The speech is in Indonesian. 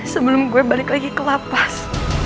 sebelum gue balik lagi ke la paz